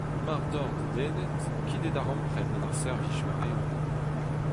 Mard oc'h dedennet, kit e darempred gant ar Servij war-eeun.